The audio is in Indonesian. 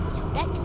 yaudah kita ikutin